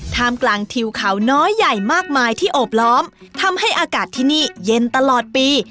ท่ามกลางทิวเขาน้อยใหญ่มากมายที่โอบล้อมทำให้อากาศที่นี่เย็นตลอดปี